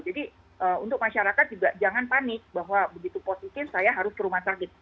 jadi untuk masyarakat juga jangan panik bahwa begitu positif saya harus ke rumah sakit